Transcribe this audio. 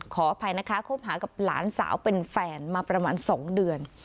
ขออภัยนะคะคบหากับหลานสาวเป็นแฟนมาประมาณ๒เดือน